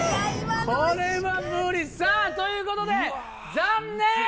これは無理さぁということで残念！